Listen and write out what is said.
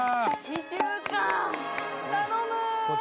２週間頼む！